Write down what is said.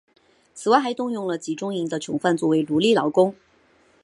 此外还动用了集中营的囚犯作为奴隶劳工。